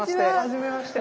はじめまして。